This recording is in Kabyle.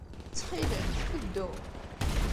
Ttxil-m, ddu.